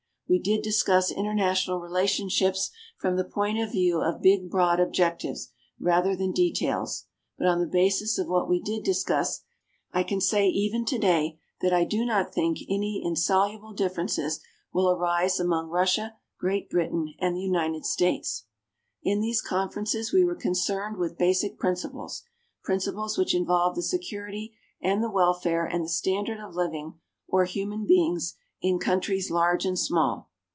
We did discuss international relationships from the point of view of big, broad objectives, rather than details. But on the basis of what we did discuss, I can say even today that I do not think any insoluble differences will arise among Russia, Great Britain and the United States. In these conferences we were concerned with basic principles principles which involve the security and the welfare and the standard of living or human beings in countries large and small.